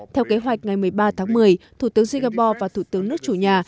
theo kế hoạch ngày một mươi ba tháng một mươi thủ tướng singapore và thủ tướng nước chủ nhà